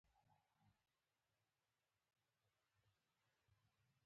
هندواڼه پخه شوه.